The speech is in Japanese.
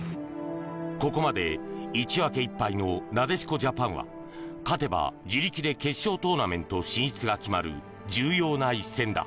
ここまで１分１敗のなでしこジャパンは勝てば自力で決勝トーナメント進出が決まる重要な一戦だ。